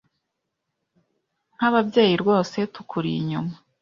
nk’ ababyeyirwose tukuri inyuma ”